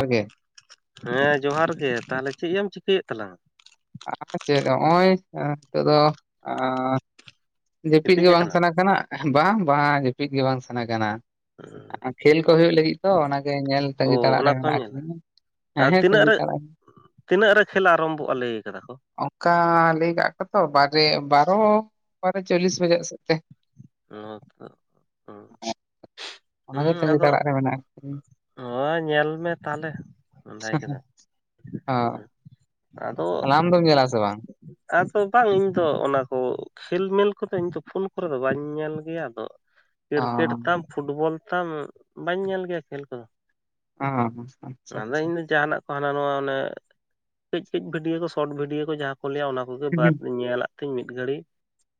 ᱡᱚᱦᱟᱨ ᱜᱮ᱾ ᱦᱮᱸ ᱡᱚᱦᱟᱨ ᱜᱮ ᱛᱟᱦᱚᱞᱮ ᱪᱤᱭᱟᱢ ᱪᱤᱠᱟᱹᱭᱮᱫ ᱛᱟᱞᱟᱝ? ᱟᱨ ᱪᱮᱫ ᱱᱚᱜᱼᱚᱭ ᱱᱤᱛᱚᱜ ᱫᱚ ᱚᱸ ᱡᱟᱹᱯᱤᱫ ᱜᱤᱛᱤᱡ ᱜᱮ ᱵᱟᱝ ᱟᱠᱟᱱᱟ᱾ ᱥᱟᱱᱟ ᱠᱟᱱᱟ, ᱵᱟᱝ ᱵᱟᱝ ᱡᱟᱹᱯᱤᱫ ᱜᱮ ᱵᱟᱝ ᱥᱟᱱᱟ ᱠᱟᱱᱟ᱾ ᱠᱷᱮᱞ ᱠᱚ ᱦᱩᱭᱩᱜ ᱞᱟᱹᱜᱤᱫ ᱛᱚ ᱚᱱᱟᱜᱮ ᱧᱮᱞ ᱚ ᱛᱟᱹᱜᱤ ᱛᱟᱲᱟᱜ ᱚᱱᱟ ᱨᱮ ᱠᱚᱢ ᱢᱮᱱᱟᱜ ᱧᱮᱞᱟ ᱠᱟᱹᱫᱤᱧᱟ᱾ ᱟᱨ ᱦᱮᱸ ᱦᱮᱸ ᱛᱤᱱᱟᱹᱜ ᱛᱮᱜᱤ ᱨᱮ ᱛᱟᱲᱟᱜ ᱛᱤᱱᱟᱹᱜ ᱨᱮ ᱠᱷᱮᱞ ᱟᱨᱚᱢᱵᱷᱚᱜᱼᱟ ᱞᱟᱹᱭ ᱠᱟᱫᱟ ᱠᱚ? ᱚᱱᱠᱟ ᱞᱟᱹᱭ ᱠᱟᱜ ᱠᱚᱛᱚ ᱵᱟᱨᱮ ᱵᱟᱨᱚ ᱵᱟᱨᱮ ᱪᱚᱞᱞᱤᱥ ᱵᱟᱡᱟᱜ ᱥᱮᱫ ᱛᱮ᱾ ᱚᱻ ᱚᱱᱟᱜᱮ ᱛᱟᱜᱤ ᱛᱟᱲᱟᱜ ᱨᱮ ᱢᱮᱱᱟᱜᱼᱟ᱾ ᱦᱚᱸ ᱧᱮᱞ ᱢᱮ ᱛᱟᱦᱚᱞᱮ ᱨᱚᱦᱟᱭ ᱠᱮᱫᱟ? ᱦᱚᱸ᱾ ᱟᱫᱚ ᱛᱟᱦᱚᱞᱮ ᱟᱢ ᱫᱚᱢ ᱧᱮᱞ ᱟ ᱥᱮ ᱵᱟᱝ? ᱟᱫᱚ ᱵᱟᱝ ᱤᱧ ᱫᱚ ᱚᱱᱟ ᱠᱚ ᱠᱷᱮᱞ ᱢᱤᱞ ᱠᱚᱫᱚ ᱤᱧ ᱫᱚ ᱯᱷᱩᱞ ᱠᱚᱨᱮ ᱫᱚ ᱵᱟᱹᱧ ᱧᱮᱞ ᱜᱮᱭᱟ ᱟᱫᱚ ᱚ ᱠᱤᱨᱠᱮᱴ ᱛᱟᱢ ᱯᱷᱩᱴᱵᱚᱞ ᱛᱟᱢ ᱵᱟᱹᱧ ᱧᱮᱞ ᱜᱮᱭᱟ ᱠᱷᱮᱞ ᱠᱚᱫᱚ᱾ ᱚ ᱟᱪᱪᱷᱟ ᱟᱫᱚ ᱟᱪᱪᱷᱟ ᱤᱧ ᱫᱚ ᱡᱟᱦᱟᱸᱱᱟᱜ ᱛᱟᱦᱚᱞᱮ ᱱᱚᱣᱟ ᱚᱱᱮ ᱠᱟᱹᱡ ᱠᱟᱹᱡ ᱵᱷᱤᱰᱭᱳ ᱠᱚ ᱥᱚᱨᱚᱴ ᱵᱷᱤᱰᱭᱳ ᱠᱚ ᱡᱟᱦᱟᱸ ᱠᱚ ᱞᱟᱹᱭᱟ ᱚᱱᱟ ᱠᱚᱜᱮ ᱵᱟᱨ ᱧᱮᱞᱟ᱾ ᱛᱤᱧ ᱢᱤᱫ ᱜᱷᱟᱹᱲᱤᱡ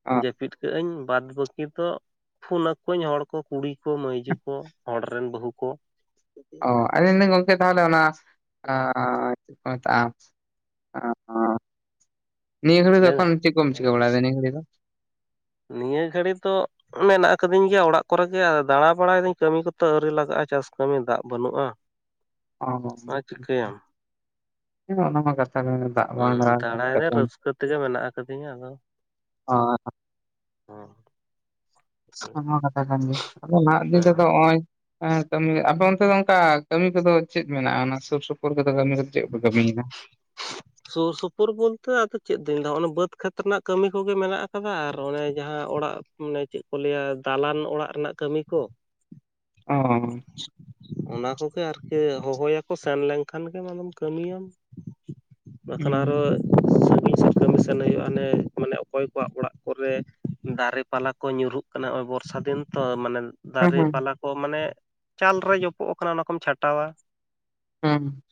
ᱚ ᱡᱟᱹᱯᱤᱫ ᱠᱟᱜ ᱟᱹᱧ ᱵᱟᱫ ᱵᱟᱹᱠᱤ ᱛᱚ ᱯᱷᱱ ᱟᱠᱚᱣᱟᱧ ᱦᱚᱲ ᱠᱚ ᱠᱩᱲᱤ ᱠᱚ ᱢᱟᱹᱭᱡᱩ ᱠᱚ ᱦᱚᱲ ᱨᱮᱱ ᱵᱟᱹᱦᱩ ᱠᱚ᱾ ᱚ ᱟᱵᱤᱱ ᱜᱚᱝᱠᱮ ᱛᱟᱦᱚᱞᱮ ᱚᱱᱟ ᱪᱮᱫ ᱠᱚ ᱢᱮᱛᱟᱜᱼᱟ᱾ ᱚᱻ ᱱᱤᱭᱟᱹ ᱜᱟᱹᱲ ᱮᱠᱷᱚᱱ ᱪᱮᱫ ᱞᱟᱹᱭᱢᱮ ᱠᱚᱢ ᱪᱤᱠᱟ ᱠᱚᱢ ᱪᱮᱠᱟ ᱵᱟᱲᱟᱭ ᱫᱟ ᱱᱤᱭᱟᱹ ᱜᱟᱹᱲᱤ ᱫᱚ, [unintelligible] ᱱᱤᱭᱟᱹ ᱜᱷᱟᱹᱲᱤ ᱫᱚ ᱢᱮᱱᱟᱜ ᱟᱠᱟᱫᱤᱧ ᱜᱮᱭᱟ ᱚᱲᱟᱜ ᱠᱚᱨᱮᱜ ᱜᱮ ᱫᱟᱬᱟ ᱵᱟᱲᱟᱭᱫᱟᱹᱧ ᱠᱟᱹᱢᱤ ᱠᱚᱛᱮ ᱟᱹᱣᱨᱤ ᱞᱟᱜᱟᱜᱼᱟ ᱪᱟᱥ ᱠᱟᱹᱢᱤ ᱫᱟᱜ ᱵᱟᱹᱱᱩᱜᱼᱟ᱾ ᱚᱻ [unintelligible] ᱟᱨ ᱪᱤᱠᱟᱹᱭᱟᱢ ᱚᱱᱟᱢᱟ ᱠᱟᱛᱷᱟ ᱠᱟᱱ ᱫᱟᱜ ᱵᱟᱝ ᱦᱩᱸ ᱫᱟᱜ ᱠᱟᱱ ᱫᱟᱬᱟᱭ ᱫᱚ ᱠᱟᱛᱮᱢ ᱨᱟᱹᱥᱠᱟᱹ ᱛᱮᱜᱮ ᱢᱮᱱᱟᱜ ᱠᱟᱫᱤᱧᱟ ᱟᱫᱚ ᱚ ᱦᱩᱸ᱾ [inaudible] ᱠᱟᱛᱷᱟ ᱠᱟᱱ ᱜᱮ ᱟᱫᱚ ᱱᱟᱦᱟᱜ ᱫᱤᱱ ᱦᱮᱸ ᱛᱮᱫᱚ ᱱᱚᱜᱼᱚᱭ ᱦᱮ ᱠᱟᱹᱢᱤ ᱟᱯᱮ ᱚᱱᱛᱮ ᱫᱚ ᱚᱱᱠᱟ ᱠᱟᱹᱢᱤ ᱠᱚᱫᱚ ᱪᱮᱫ ᱢᱮᱱᱟᱜᱼᱟ ᱚᱱᱟ ᱥᱩᱨ ᱥᱩᱯᱩᱨ ᱠᱳᱞᱠᱟᱛᱟ ᱠᱟᱹᱢᱤ ᱫᱚ ᱪᱮᱫ ᱠᱟᱹᱢᱤ [inaudible] ᱥᱩᱨ ᱥᱩᱯᱩᱨ ᱵᱚᱞᱛᱮ ᱟᱫᱚ ᱪᱮᱫ ᱫᱩᱧ ᱫᱟ ᱚᱱᱮ ᱵᱟᱹᱫᱽ ᱠᱷᱮᱛ ᱨᱮᱱᱟᱜ ᱠᱟᱹᱢᱤ ᱠᱚᱜᱮ ᱢᱮᱱᱟᱜ ᱟᱠᱟᱫᱟ ᱟᱨ ᱚᱱᱮ ᱡᱟᱦᱟᱸ ᱚᱲᱟᱜ ᱢᱟᱱᱮ ᱪᱮᱫ ᱠᱚ ᱞᱟᱹᱭᱟ ᱫᱟᱞᱟᱱ ᱚᱲᱟᱜ ᱨᱮᱭᱟᱜ ᱠᱟᱹᱢᱤ ᱠᱚ ᱚ ᱚᱱᱟ ᱠᱚᱜᱮ ᱟᱨᱠᱤ ᱦᱚᱦᱚᱭᱟᱠᱚ ᱥᱮᱱ ᱞᱮᱱᱠᱷᱟᱱ ᱜᱮᱢ ᱠᱟᱹᱢᱤᱭᱟᱢ ᱚᱱᱟᱠᱷᱟᱱ ᱟᱨᱚ [unintelligible] [unintelligible] ᱠᱟᱹᱢᱤᱥᱚᱱ ᱦᱩᱭᱩᱜᱼᱟ ᱚᱱᱮ ᱢᱟᱱᱮ ᱚᱠᱚᱭ ᱠᱚᱣᱟᱜ ᱚᱲᱟᱜ ᱠᱚᱨᱮ ᱫᱟᱨᱮ ᱯᱟᱞᱟ ᱠᱚ ᱧᱩᱨᱦᱩᱜ ᱠᱟᱱᱟ ᱱᱚᱭ ᱵᱚᱨᱥᱟ ᱫᱤᱱ ᱛᱚ ᱢᱟᱱᱮ ᱫᱟᱨᱮ ᱦᱩᱸ ᱯᱟᱞᱟ ᱠᱚ ᱢᱟᱱᱮ ᱪᱟᱞ ᱨᱮ ᱡᱚᱯᱚᱜ ᱠᱟᱱᱟ ᱚᱱᱟ ᱠᱚᱢ ᱪᱷᱟᱴᱟᱣᱟ ᱦᱩᱸ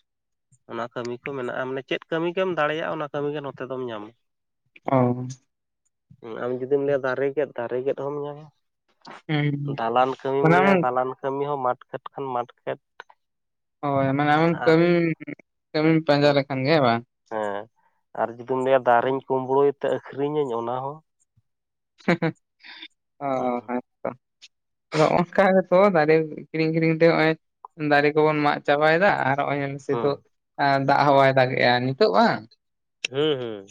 ᱚᱱᱟ ᱠᱟᱹᱢᱤ ᱠᱚ ᱢᱮᱱᱟᱜᱼᱟ ᱢᱟᱱᱮ ᱪᱮᱫ ᱠᱟᱹᱢᱤ ᱜᱮᱢ ᱫᱟᱲᱮᱭᱟᱜᱼᱟ ᱚᱱᱟ ᱠᱟᱹᱢᱤ ᱜᱮ ᱱᱚᱛᱮ ᱫᱚᱢ ᱧᱟᱢᱟ ᱚ [inaudible] ᱟᱢ ᱡᱩᱫᱤᱢ ᱞᱟᱹᱭᱟ ᱫᱟᱨᱮ ᱜᱮᱫ ᱫᱟᱨᱮ ᱜᱮᱫ ᱦᱚᱢ ᱧᱟᱢᱟ ᱦᱩᱸ ᱫᱟᱞᱟᱱ ᱠᱟᱹᱢᱤᱢ ᱢᱟᱱᱮ ᱞᱟᱹᱭᱟ ᱟᱢᱮᱢ ᱫᱟᱞᱟᱱ ᱠᱟᱹᱢᱤ ᱦᱚᱸ ᱢᱟᱴ ᱠᱷᱮᱛ ᱠᱷᱟᱱ ᱢᱟᱴ ᱠᱷᱮᱛ ᱦᱳᱭ ᱢᱟᱱᱮ ᱟᱢᱮᱢ ᱟᱨ ᱠᱟᱹᱢᱤ ᱠᱟᱹᱢᱤᱢ ᱯᱟᱸᱡᱟ ᱞᱮᱠᱷᱟᱱ ᱜᱮ ᱵᱟᱝ ᱦᱮᱸ ᱟᱨ ᱡᱩᱫᱤᱢ ᱞᱟᱹᱭᱟ ᱫᱟᱨᱮᱧ ᱠᱩᱢᱵᱲᱳᱭ ᱛᱮ ᱟᱠᱷᱨᱤᱧ ᱟᱹᱧ ᱚᱱᱟ ᱦᱚᱸ [inaudible] ᱦᱮᱸ ᱦᱮᱸᱛᱚ ᱟᱫᱚ ᱚᱱᱠᱟ ᱛᱚ ᱫᱟᱨᱮ ᱠᱤᱨᱤᱧ ᱟᱠᱤᱨᱤᱧ ᱛᱮ ᱱᱚᱜᱚᱭ ᱫᱟᱨᱮ ᱠᱚᱵᱚᱱ ᱢᱟᱜ ᱪᱟᱵᱟᱭ ᱫᱟ ᱟᱨ ᱱᱚᱜᱼᱚᱭ ᱥᱛᱩᱚᱜ ᱦᱩᱸ ᱮ ᱫᱟᱜ ᱦᱚᱸ ᱵᱟᱭ ᱫᱟᱜ ᱮᱜᱼᱟ ᱱᱤᱛᱚᱜ ᱵᱟᱝ ᱦᱩᱸ ᱦᱩᱸ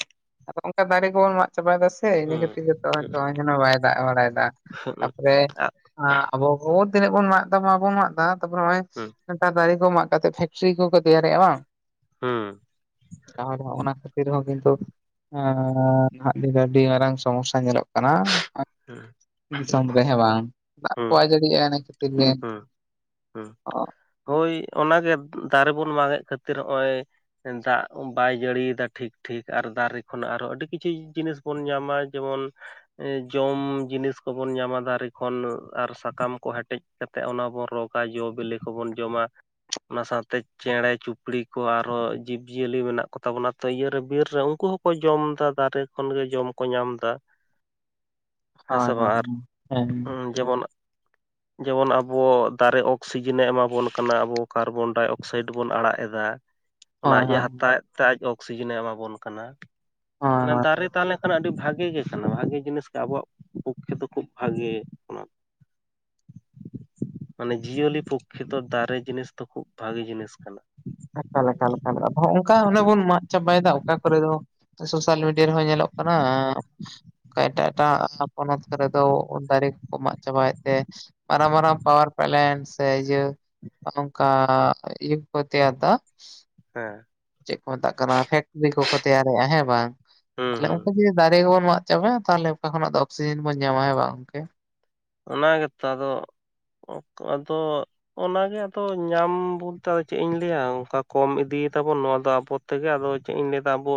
ᱟᱫᱚ ᱚᱱᱠᱟ ᱫᱟᱨᱮ ᱠᱚᱵᱚᱱ ᱢᱟᱜ ᱪᱟᱵᱟᱭᱮᱫᱟ ᱛᱮ ᱤᱱᱟᱹ ᱠᱷᱟᱹᱛᱤᱨ ᱜᱮᱛᱚ ᱦᱩᱸ ᱡᱮᱱᱚ ᱵᱟᱭ ᱫᱟᱜ ᱵᱟᱲᱟᱭ ᱫᱟ ᱦᱩᱸ ᱦᱩᱸ ᱦᱩᱸ ᱛᱟᱯᱚᱨᱮ ᱟᱵᱚ ᱠᱚ ᱛᱤᱱᱟᱹᱜ ᱵᱚᱱ ᱢᱟᱜ ᱮᱫᱟ ᱢᱟᱵᱚᱱ ᱢᱟᱜ ᱮᱫᱟ ᱛᱟᱯᱚᱨ ᱱᱚᱜ ᱚᱭ ᱱᱮᱛᱟᱨ ᱫᱟᱨᱮ ᱠᱚ ᱢᱟᱜ ᱠᱟᱛᱮ ᱯᱷᱮᱠᱴᱨᱤ ᱠᱚᱠᱚ ᱛᱮᱭᱟᱨᱮᱜᱼᱟ ᱵᱟᱝ ᱦᱩᱸ [inaudible] ᱚᱱᱟ ᱠᱷᱟᱹᱛᱤᱨ ᱦᱚᱸ ᱠᱤᱱᱛᱩ ᱟᱨ ᱱᱟᱦᱟᱜ ᱫᱤᱱ ᱟᱹᱰᱤ ᱢᱟᱨᱟᱝ ᱥᱚᱢᱚᱥᱥᱟ ᱧᱮᱞᱚᱜ ᱠᱟᱱᱟ [inaudible] ᱫᱤᱥᱚᱢ ᱨᱮ ᱦᱮᱸ ᱵᱟᱝ ᱫᱟᱜ ᱦᱩᱸ ᱠᱚᱟᱭ ᱡᱟᱹᱲᱤᱭᱮᱜᱼᱟ ᱤᱱᱟᱹ ᱠᱷᱟᱹᱛᱤᱨ ᱜᱮ ᱦᱩᱸ ᱦᱩᱸ ᱦᱳᱭ ᱚᱱᱟᱜᱮ ᱫᱟᱨᱮ ᱵᱚᱱ ᱢᱟᱜᱮᱫ ᱠᱷᱟᱹᱛᱤᱨ ᱦᱚᱜᱼᱚᱭ ᱫᱟᱜ ᱵᱟᱭ ᱡᱟᱹᱲᱤᱭᱫᱟ ᱴᱷᱤᱠ ᱴᱷᱤᱠ ᱟᱨ ᱫᱟᱨᱮ ᱠᱷᱚᱱᱟᱜ ᱟᱨᱦᱚᱸ ᱟᱹᱰᱤ ᱠᱤᱪᱷᱩ ᱡᱤᱱᱤᱥ ᱵᱚᱱ ᱧᱟᱢᱟ ᱡᱮᱢᱚᱱ ᱡᱚᱢ ᱡᱤᱱᱤᱥ ᱠᱚᱵᱚᱱ ᱧᱟᱢᱟ ᱫᱟᱨᱮ ᱠᱷᱚᱱ ᱟᱨ ᱥᱟᱠᱟᱢ ᱠᱚ ᱦᱮᱴᱮᱡ ᱠᱟᱛᱮᱫ ᱚᱱᱟ ᱵᱚᱱ ᱨᱚᱜᱟ ᱡᱚ ᱵᱤᱞᱤ ᱠᱚᱵᱚᱱ ᱡᱚᱢᱟ ᱚᱱᱟ ᱥᱟᱶᱛᱮ ᱪᱮᱬᱮ ᱪᱩᱯᱲᱤ ᱠᱚ ᱟᱨᱦᱚᱸ ᱡᱤᱵᱽ ᱡᱤᱭᱟᱹᱞᱤ ᱢᱮᱱᱟᱜ ᱠᱚᱛᱟ ᱵᱚᱱᱟ ᱛᱚ ᱤᱭᱟᱹᱨᱮ ᱵᱤᱨ ᱨᱮ ᱩᱱᱠᱩ ᱦᱚᱸ ᱠᱚ ᱡᱚᱢ ᱫᱟ ᱫᱟᱨᱮ ᱠᱷᱚᱱᱜᱮ ᱡᱚᱢ ᱠᱚ ᱧᱟᱢ ᱫᱟ ᱦᱳᱭ ᱦᱮᱸ ᱥᱮ ᱦᱳᱭ ᱵᱟᱝ ᱟᱨ ᱦᱮᱸ [inaudible] ᱡᱮᱢᱚᱱ ᱡᱮᱢᱚᱱ ᱟᱵᱚ ᱫᱟᱨᱮ ᱚᱠᱥᱤᱡᱮᱱ ᱮ ᱮᱢᱟᱵᱚᱱ ᱠᱟᱱᱟ ᱟᱵᱚ ᱠᱟᱨᱵᱚᱱᱰᱟᱭ ᱚᱠᱥᱟᱭᱤᱰ ᱵᱚᱱ ᱟᱲᱟᱜ ᱮᱫᱟ ᱚᱱᱟ ᱦᱳᱭ ᱟᱡ ᱮ ᱦᱳᱭ ᱦᱟᱛᱟᱣᱮᱫ ᱟᱡ ᱚᱠᱥᱤᱡᱮᱱ ᱮ ᱮᱢᱟ ᱵᱚᱱ ᱠᱟᱱᱟ ᱦᱳᱭ ᱢᱟᱱᱮ ᱦᱳᱭ ᱫᱟᱨᱮ ᱛᱟᱦᱮᱞᱮᱱ ᱠᱷᱟᱱ ᱟᱹᱰᱤ ᱵᱷᱟᱜᱮ ᱜᱮ ᱠᱟᱱᱟ ᱵᱷᱟᱜᱮ ᱡᱤᱱᱤᱥ ᱜᱮ ᱟᱵᱚᱣᱟᱜ ᱯᱩᱠᱠᱷᱮ ᱫᱚ ᱠᱷᱩᱵ ᱵᱷᱟᱜᱮ ᱢᱟᱱᱮ ᱡᱤᱭᱟᱹᱞᱤ ᱯᱚᱠᱠᱷᱮ ᱫᱚ ᱫᱟᱨᱮ ᱡᱤᱱᱤᱥ ᱫᱚ ᱠᱷᱩᱵ ᱵᱷᱟᱜᱮ ᱡᱤᱱᱤᱥ ᱠᱟᱱᱟ ᱮᱠᱟᱞ ᱮᱠᱟᱞ ᱟᱵᱚ ᱦᱚ ᱚᱱᱠᱟ ᱚᱱᱮ ᱵᱚᱱ ᱢᱟᱜ ᱪᱟᱵᱟᱭᱫᱟ ᱚᱠᱟ ᱠᱚᱨᱮ ᱫᱚ ᱥᱳᱥᱟᱞ ᱢᱤᱰᱤᱭᱟ ᱨᱮᱦᱚᱸ ᱧᱮᱞᱚᱜ ᱠᱟᱱᱟ ᱮᱴᱟᱜ ᱮᱴᱟᱜ ᱟᱥᱟᱢ ᱯᱚᱱᱚᱛ ᱠᱚᱨᱮ ᱫᱚ ᱫᱟᱨᱮ ᱠᱚ ᱠᱚ ᱢᱟᱜ ᱪᱟᱵᱟᱭᱮᱫ ᱛᱮ ᱢᱟᱨᱟᱝ ᱢᱟᱨᱟᱝ ᱯᱟᱣᱟᱨ ᱯᱞᱮᱱ ᱥᱮ ᱤᱭᱟᱹ ᱚᱱᱠᱟ [inaudible] ᱛᱮᱭᱟᱨ ᱫᱚ ᱼᱼ ᱦᱮᱸ ᱾ ᱪᱮᱫ ᱠᱚ ᱢᱮᱛᱟᱜ ᱠᱟᱱᱟ ᱯᱷᱮᱠᱴᱨᱤ ᱠᱚᱠᱚ ᱛᱮᱭᱟᱨᱮᱜᱼᱟ ᱦᱮᱸ ᱵᱟᱝ ᱦᱩᱸ ᱛᱟᱦᱞᱮ ᱦᱩᱸ ᱩᱱᱠᱩ ᱡᱩᱫᱤ ᱫᱟᱨᱮ ᱠᱚ ᱵᱚᱱ ᱼᱼ ᱪᱟᱵᱟᱭᱟ ᱛᱟᱦᱞᱮ ᱚᱠᱟ ᱠᱷᱚᱱᱟᱜ ᱫᱚ ᱚᱠᱥᱤᱡᱮᱱ ᱵᱚᱱ ᱧᱟᱢᱟ ᱦᱮᱸ ᱵᱟᱝ ᱜᱚᱢᱠᱮ? ᱚᱱᱟ ᱜᱮᱛᱚ ᱟᱫᱚ ᱟᱫᱚ ᱼᱼ ᱚᱱᱟ ᱜᱮ ᱟᱫᱚ ᱧᱟᱢ ᱵᱚᱞᱛᱮ ᱟᱫᱚ ᱪᱮᱫ ᱤᱧ ᱞᱟᱹᱭᱟ ᱚᱱᱠᱟ ᱠᱚᱢ ᱤᱫᱤᱭᱮᱫᱟ ᱵᱚᱱ ᱱᱚᱣᱟ ᱫᱚ ᱟᱵᱚ ᱼᱼ ᱛᱮᱜᱮ ᱟᱫᱚ ᱪᱮᱫ ᱤᱧ ᱞᱟᱹᱭᱫᱟ ᱟᱵᱚᱼᱼ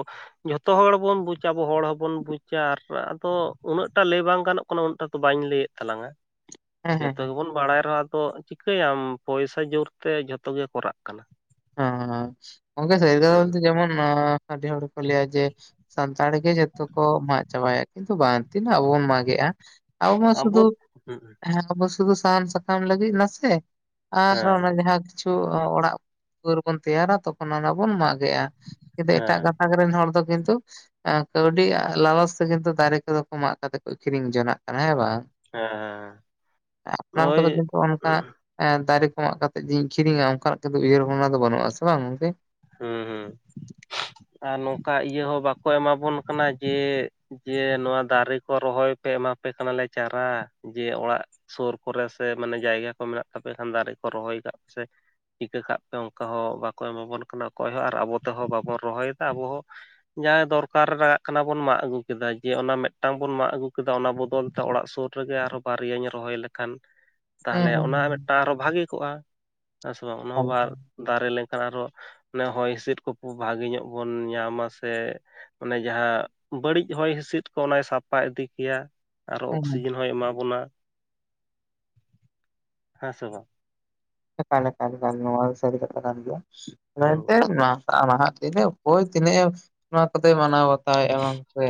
ᱡᱷᱚᱛᱚ ᱦᱚᱲ ᱵᱚᱱ ᱵᱩᱡᱟ ᱟᱵᱚ ᱦᱚᱲ ᱦᱚᱸ ᱵᱚᱱ ᱵᱩᱡᱟ ᱟᱨ ᱟᱫᱚ ᱩᱱᱟᱹᱜ ᱴᱟ ᱞᱟᱹᱭ ᱵᱟᱝ ᱜᱟᱱᱚᱜ ᱠᱟᱱᱟ ᱩᱱᱟᱹᱜ ᱴᱟ ᱛᱮ ᱵᱟᱹᱧ ᱞᱟᱹᱭᱮᱫ ᱼᱼ ᱛᱟᱞᱟᱝᱟ ᱦᱮᱸ ᱦᱮᱸ ᱡᱚᱛᱚ ᱦᱮᱸ ᱜᱮ ᱵᱚᱱ ᱵᱟᱲᱟᱭ ᱨᱮᱦᱚᱸ ᱟᱫᱚ ᱼᱼ ᱪᱤᱠᱟᱹᱭᱟᱢ ᱯᱚᱭᱥᱟ ᱡᱳᱨᱛᱮ ᱡᱷᱚᱛᱚ ᱜᱮ ᱠᱚᱨᱟᱜ ᱠᱟᱱᱟ ᱾ ᱦᱮᱸ ᱦᱮᱸ ᱚᱱᱠᱟ [unintelligible] ᱵᱚᱞᱛᱮ ᱡᱮᱢᱚᱱ ᱼᱼ ᱟᱹᱰᱤ ᱦᱚᱲ ᱠᱚ ᱞᱟᱹᱭᱟ ᱡᱮ ᱥᱟᱱᱛᱟᱲ ᱜᱮ ᱡᱚᱛᱚ ᱠᱚ ᱢᱟᱜ ᱪᱟᱵᱟᱭᱮᱫ ᱠᱤᱱᱛᱩ ᱵᱟᱝ ᱾ ᱛᱤᱱᱟᱹᱜ ᱟᱵᱚ ᱵᱚᱱ ᱢᱟᱜᱮᱜᱼᱟ ᱟᱵᱚ ᱢᱟ ᱥᱩᱫᱷᱩ ᱦᱮᱸ ᱟᱵᱚ ᱥᱩᱫᱩ ᱥᱟᱦᱟᱱ ᱥᱟᱠ ᱼᱼ ᱟᱢ ᱞᱟᱹᱜᱤᱫ ᱱᱟᱥᱮ ᱟᱨ ᱚᱱᱟ ᱦᱮᱸ ᱡᱟᱦᱟᱸ ᱠᱤᱪᱷᱩ ᱚᱲᱟᱜ ᱼᱼ ᱫᱩᱣᱟᱹᱨ ᱵᱚᱱ ᱛᱮᱭᱟᱨᱟ ᱛᱚᱠᱷᱚᱱ ᱚᱱᱟ ᱵᱚᱱ ᱢᱟᱸᱜᱮᱜ-ᱟ ᱠᱤᱱᱛᱩ ᱮᱴᱟᱜ ᱦᱮᱸ ᱜᱟᱛᱟᱠ ᱨᱮᱱ ᱦᱚᱲ ᱫᱚ ᱠᱤᱱᱛᱩ ᱼᱼ ᱠᱟᱹᱣᱰᱤ ᱞᱟᱞᱚᱪ ᱛᱮ ᱜᱮ ᱛᱚ ᱫᱟᱨᱮ ᱠᱚᱫᱚ ᱠᱚ ᱢᱟᱸᱜ ᱠᱟᱛᱮ ᱠᱚ ᱟᱹᱠᱷᱨᱤᱧ ᱡᱚᱱᱟᱜ ᱠᱟᱱᱟ ᱦᱮᱸ ᱵᱟᱝ ᱦᱮᱸ ᱦᱮᱸ ᱾ ᱟᱯᱱᱟᱨ ᱳᱭ ᱠᱚᱫᱚ ᱠᱤᱱᱛᱩ ᱚᱱᱠᱟ ᱼᱼ ᱫᱟᱨᱮ ᱠᱚ ᱢᱟᱸᱜ ᱠᱟᱛᱮᱜ ᱡᱮᱧ ᱟᱹᱠᱷᱨᱤᱧᱟ ᱚᱱᱠᱟᱱᱟᱜ ᱩᱭᱦᱟᱹᱨ ᱵᱷᱟᱵᱽᱱᱟ ᱫᱚ ᱵᱟᱹᱱᱩᱜ-ᱟ ᱥᱮ ᱵᱟᱝ ᱜᱚᱝᱠᱮ ᱼᱼ ᱦᱩᱸ ᱦᱩᱸ ᱾ ᱟᱨ ᱱᱚᱝᱠᱟ ᱤᱭᱟᱹ ᱦᱚᱸ ᱵᱟᱠᱚ ᱮᱢᱟ ᱵᱚᱱ ᱠᱟᱱᱟ ᱡᱮ ᱡᱮ ᱱᱚᱣᱟ ᱫᱟᱨᱮ ᱠᱚ ᱨᱚᱦᱚᱭ ᱯᱮ ᱮᱢᱟ ᱼᱼ ᱯᱮ ᱠᱟᱱᱟᱞᱮ ᱪᱟᱨᱟ ᱡᱮ ᱚᱲᱟᱜ ᱼᱼ ᱥᱳᱨ ᱠᱚᱨᱮ ᱥᱮ ᱢᱟᱱᱮ ᱡᱟᱭᱜᱟ ᱠᱚ ᱢᱮᱱᱟᱜ ᱛᱟᱯᱮ ᱠᱷᱟᱱ ᱫᱟᱨᱮ ᱠᱚ ᱨᱚᱦᱚᱭ ᱠᱟᱜ ᱯᱮ ᱥᱮ ᱾ ᱤᱠᱟᱹ ᱠᱟᱜ ᱯᱮ ᱚᱝᱠᱟ ᱦᱚᱸ ᱵᱟᱠᱚ ᱮᱢᱟᱵᱚᱱ ᱠᱟᱱᱟ ᱚᱠᱚᱭ ᱦᱚᱸ ᱟᱨ ᱟᱵᱚ ᱛᱮᱦᱚᱸ ᱵᱟᱵᱚᱱ ᱨᱚᱦᱚᱭᱫᱟ ᱟᱵᱚ ᱦᱚᱸ ᱾ ᱡᱟᱦᱟᱸ ᱫᱚᱨᱠᱟᱨ ᱨᱮ ᱞᱟᱜᱟᱜ ᱠᱟᱱᱟ ᱵᱚᱱ ᱢᱟᱜ ᱟᱹᱜᱩ ᱠᱮᱫᱟ ᱡᱮ ᱚᱱᱟ ᱢᱤᱫᱴᱟᱝ ᱵᱚᱱ ᱢᱟᱜ ᱟᱹᱜᱩ ᱠᱮᱫᱟ ᱚᱱᱟ ᱵᱚᱫᱚᱞ ᱛᱮ ᱚᱲᱟᱜ ᱥᱳᱨ ᱼᱼ ᱨᱮᱜᱮ ᱟᱨᱚ ᱵᱟᱨᱭᱟᱧ ᱨᱚᱦᱚᱭ ᱞᱮᱠᱷᱟᱱ ᱼᱼ ᱦᱮᱸ ᱛᱟᱦᱞᱮ ᱚᱱᱟ ᱦᱮᱸ ᱢᱮᱫᱴᱟᱝ ᱟᱨᱚ ᱵᱷᱟᱜᱤ ᱠᱚᱜ-ᱟ ᱦᱮᱸ ᱥᱮ ᱵᱟᱝ ᱮᱠᱟᱞ ᱼᱼ ᱫᱟᱨᱮ ᱞᱮᱱᱠᱷᱟᱱ ᱟᱨᱦᱚᱸ ᱦᱚᱭ ᱦᱤᱸᱥᱤᱫ ᱠᱚ ᱵᱷᱟᱜᱮ ᱧᱚᱜ ᱵᱚᱱ ᱧᱟᱢᱟ ᱥᱮ ᱼᱼ ᱚᱱᱮ ᱡᱟᱦᱟᱸ ᱵᱟᱹᱲᱤᱡ ᱦᱚᱭ ᱦᱤᱸᱥᱤᱫ ᱠᱚ ᱚᱱᱟᱭ ᱥᱟᱯᱷᱟ ᱤᱫᱤ ᱠᱮᱭᱟ ᱾ ᱟᱨᱚ ᱚᱠᱥᱤᱡᱮᱱ ᱦᱚᱸᱭ ᱮᱢᱟ ᱵᱚᱱᱟ ᱦᱮᱸ ᱥᱮ ᱵᱟᱝ ᱾ ᱮᱠᱟᱞ ᱮᱠᱟᱞ ᱜᱮ ᱵᱟᱝ ᱱᱚᱣᱟ ᱥᱟᱹᱨᱤ ᱠᱟᱛᱷᱟ ᱠᱟᱱ ᱜᱮᱭᱟ ᱦᱩᱸ [unintelligible] ᱼᱼ ᱱᱟᱦᱟᱜ ᱛᱤᱱᱟᱹᱜ ᱚᱠᱚᱭ ᱛᱤᱱᱟᱹᱜ ᱮ ᱱᱚᱣᱟ ᱠᱚ ᱫᱚᱭ ᱢᱟᱱᱟᱣ ᱵᱟᱛᱟᱣᱮᱜ-ᱟ ᱵᱟᱝ ᱥᱮ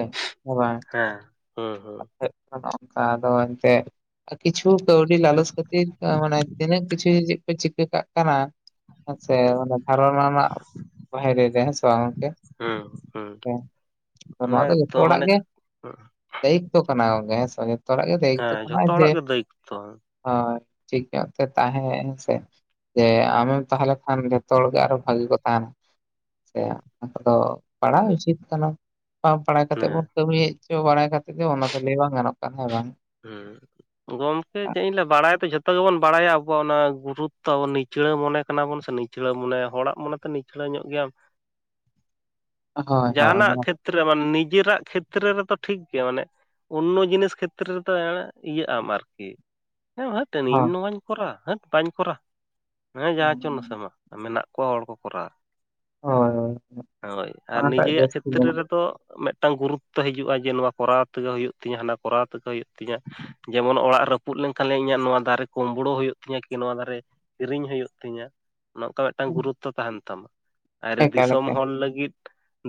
ᱦᱮᱸ ᱵᱟᱝ ᱾ ᱦᱮᱸ ᱦᱩᱸ ᱦᱩᱸ ᱾ ᱦᱳᱭᱳᱜ ᱠᱟᱱᱟ ᱚᱝᱠᱟ ᱟᱫᱚ ᱮᱱᱛᱮᱜ ᱼᱼ ᱠᱤᱪᱷᱩ ᱠᱟᱹᱣᱰᱤ ᱞᱟᱞᱚᱪ ᱠᱷᱟᱹᱛᱤᱨ ᱢᱟᱱᱮ ᱛᱤᱱᱟᱹᱜ ᱠᱤᱪᱷᱩ ᱪᱮᱫ ᱠᱚ ᱪᱤᱠᱟᱹ ᱠᱟᱜ ᱠᱟᱱᱟ ᱼᱼ ᱦᱮᱸ ᱥᱮ ᱫᱷᱟᱨᱚᱱᱟ ᱨᱮᱱᱟᱜ ᱵᱟᱦᱨᱮ ᱨᱮ ᱦᱮᱸ ᱥᱮ ᱵᱟᱝ ᱜᱚᱝᱠᱮ ᱾ ᱦᱩᱸ ᱦᱩᱸ ᱦᱮᱸ ᱟᱨ ᱚᱱᱟ ᱱᱚᱣᱟ ᱫᱚ ᱡᱚᱛᱚ ᱜᱮᱛᱚ ᱦᱚᱲᱟᱜ ᱢᱟᱱᱮ ᱜᱮ ᱼᱼ ᱫᱟᱭᱤᱛᱛᱚ ᱠᱟᱱᱟ ᱜᱚᱝᱠᱮ ᱦᱮᱸ ᱥᱮ ᱡᱚᱛᱚ ᱦᱚᱲᱟᱜ ᱜᱮ ᱫᱟᱭᱤᱛᱛᱚ ᱦᱮᱸ ᱠᱟᱱᱟ ᱡᱷᱚᱛᱚ ᱡᱮ ᱦᱚᱲᱟᱜ ᱜᱮ ᱫᱟᱭᱤᱛᱛᱚ ᱦᱮᱸ ᱼᱼ ᱦᱚᱭ ᱴᱷᱤᱠ ᱧᱚᱜ ᱛᱮ ᱛᱟᱦᱮᱸ ᱦᱮᱸ ᱥᱮ ᱾ ᱡᱮ ᱟᱢᱮᱢ ᱛᱟᱦᱮ ᱞᱮᱱᱠᱷᱟᱱ ᱡᱷᱚᱛᱚ ᱦᱚᱲ ᱜᱮ ᱟᱨᱦᱚᱸ ᱵᱷᱟᱜᱮ ᱠᱚ ᱛᱟᱦᱮᱱᱟ ᱾ ᱡᱮ ᱚᱱᱟ ᱠᱚᱫᱚ ᱯᱟᱲᱦᱟᱣ ᱩᱪᱤᱛ ᱠᱟᱱᱟ ᱾ ᱵᱟᱝ ᱯᱟᱲᱦᱟᱣ ᱠᱟᱛᱮᱫ ᱵᱚᱱ ᱠᱟᱹᱢᱤᱭᱮᱫ ᱪᱚ ᱵᱟᱲᱟᱭ ᱠᱟᱛᱮᱫ ᱜᱮ ᱚᱱᱟ ᱫᱚ ᱞᱟᱹᱭ ᱵᱟᱝ ᱜᱟᱱᱚᱜ ᱠᱟᱱᱟ ᱦᱮᱸ ᱵᱟᱝ ᱾ ᱦᱩᱸ ᱜᱚᱢᱠᱮ ᱪᱮᱫ ᱤᱧ ᱞᱟᱭᱟ ᱵᱟᱲᱟᱭ ᱛᱚ ᱡᱷᱚᱛᱚ ᱜᱮ ᱵᱚᱱ ᱵᱟᱲᱟᱭᱟ ᱟᱵᱚᱣᱟᱜ ᱚᱱᱟ ᱜᱩᱨᱩᱛᱛᱚ ᱼᱼ ᱪᱷᱤᱲᱟᱹᱣ ᱢᱚᱱᱮ ᱠᱟᱱᱟ ᱵᱚᱱ ᱥᱮ ᱱᱤᱪᱷᱲᱟᱹᱣ ᱢᱚᱱᱮ ᱦᱚᱲᱟᱜ ᱢᱚᱱᱮ ᱛᱮ ᱱᱤᱪᱷᱲᱟᱹ ᱧᱚᱸᱜ ᱜᱮᱭᱟᱢ ᱾ ᱦᱳᱭ ᱦᱳᱭ ᱚᱱᱟ ᱡᱟᱦᱟᱱᱟᱜ ᱢᱟ ᱠᱷᱮᱛ ᱼᱼ [inaudible] ᱱᱤᱡᱮᱨᱟᱜ ᱠᱷᱮᱛᱨᱮ ᱨᱮᱫᱚ ᱴᱷᱤᱠ ᱜᱮᱭᱟ ᱢᱟᱱᱮ ᱳᱱᱱᱳ ᱡᱤᱱᱤᱥ ᱠᱷᱮᱛᱼᱼ [inaudible] ᱤᱭᱟᱹᱜ ᱟᱢ ᱟᱨᱠᱤ ᱦᱟᱹᱴ ᱤᱧ ᱦᱳᱭ ᱱᱚᱣᱟᱧ ᱼᱼ ᱠᱚᱨᱟᱣ ᱦᱟᱹᱴ ᱵᱟᱹᱧ ᱠᱚᱨᱟᱣᱟ ᱦᱮᱸ ᱡᱟᱦᱟᱸ ᱦᱚᱪᱚᱱ ᱥᱮ ᱢᱟ ᱢᱮᱱᱟᱜ ᱠᱚᱣᱟ ᱦᱚᱲ ᱠᱚ ᱠᱚᱨᱟᱣᱟ ᱾ ᱦᱳᱭ ᱦᱳᱭ ᱦᱳᱭ ᱟᱨ ᱚᱱᱟᱴᱟᱜ ᱱᱤᱡᱮᱭᱟᱜ ᱡᱟᱹᱥᱛᱤ ᱠᱷᱮᱛᱨᱮ ᱢᱮᱱᱟᱜ ᱨᱮᱫᱚ ᱼᱼ ᱢᱮᱜᱴᱟᱝ ᱜᱩᱨᱩᱛᱛᱚ ᱦᱤᱡᱩᱜ-ᱟ ᱡᱮ ᱱᱚᱣᱟ ᱠᱚᱨᱟᱣ ᱛᱮᱜᱮ ᱦᱩᱭᱩᱜ ᱛᱤᱧᱟᱹ ᱦᱟᱱᱟ ᱠᱚᱨᱟᱣᱼᱼ [inaudible] ᱛᱤᱧᱟᱹ ᱡᱮᱢᱚᱱ ᱚᱲᱟᱜ ᱨᱟᱹᱯᱩᱫ ᱞᱮᱱᱠᱷᱟᱱᱮ ᱤᱧᱟᱜ ᱱᱚᱣᱟ ᱫᱟᱨᱮ ᱠᱳᱢᱵᱳᱲᱳ ᱦᱩᱭᱩᱜ ᱛᱤᱧᱟ ᱠᱤ ᱱᱚᱣᱟ ᱫᱟᱨᱮ‌‌‍ ᱠᱤᱨᱤᱧ ᱦᱩᱭᱩᱜ ᱛᱤᱧᱟᱹ ᱱᱚᱝᱠᱟᱱᱟᱜ ᱢᱤᱫ ᱴᱟᱝ ᱜᱩᱨᱩᱛᱛᱚ ᱛᱟᱦᱮᱱ ᱛᱟᱢᱟ ᱟᱨ ᱮᱠᱟᱞ ᱫᱤᱥᱚᱢ ᱮᱠᱟᱞ ᱦᱚᱲ ᱞᱟᱹᱜᱤᱫ